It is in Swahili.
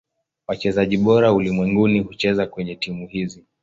Wachezaji bora ulimwenguni hucheza kwenye timu hizi.